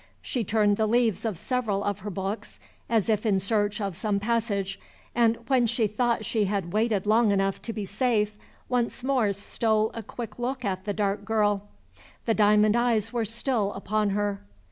She turned the leaves of several of her books, as if in search of some passage, and, when she thought she had waited long enough to be safe, once more stole a quick look at the dark girl. The diamond eyes were still upon her.